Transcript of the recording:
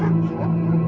aku mau pulang